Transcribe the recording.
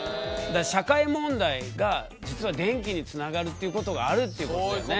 社会問題が実は電気につながるっていうことがあるっていうことだよね。